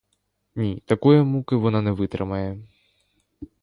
Ні, такої муки вона не витримає!